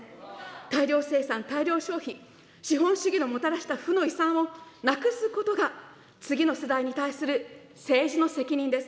大量生産、大量消費、資本主義のもたらした負の遺産をなくすことが、次の世代に対する政治の責任です。